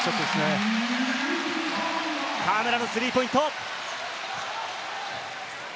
河村のスリーポイント！